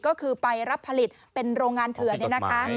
ก็คือไปรับผลิตเป็นโรงงานเถือน